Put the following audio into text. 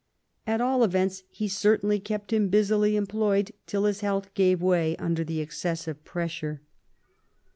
At all events, he certainly kept him busily employed till his health gave way under the excessive pressure.